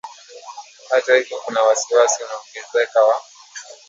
Hata hivyo kuna wasi wasi unaoongezeka wa